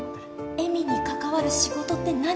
恵美に関わる仕事って何？